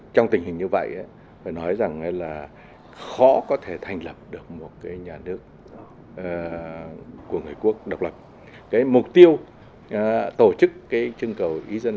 trong tình hình như vậy phải nói rằng là khó có thể thành lập được một cái nhà nước